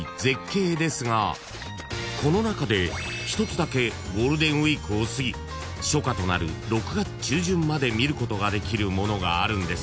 ［この中で１つだけゴールデンウイークを過ぎ初夏となる６月中旬まで見ることができるものがあるんです］